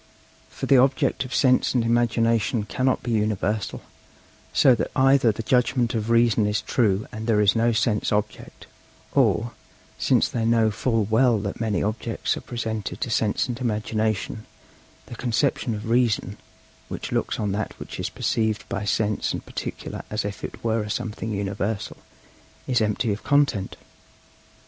For the object of Sense and Imagination cannot be universal; so that either the judgment of Reason is true and there is no sense object, or, since they know full well that many objects are presented to Sense and Imagination, the conception of Reason, which looks on that which is perceived by Sense and particular as if it were a something "universal," is empty of content.